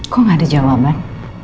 kok gak ada jawaban